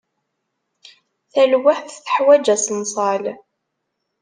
Talwaḥt teḥwaǧ aṣenṣal.